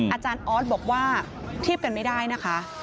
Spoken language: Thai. อาจารย์ออสบอกว่าเทียบกันไม่ได้นะคะ